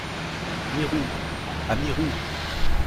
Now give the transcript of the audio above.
Mirou! à Mirou !